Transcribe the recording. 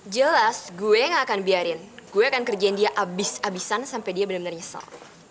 jelas gue gak akan biarin gue akan kerjain dia abis abisan sampe dia bener bener nyesel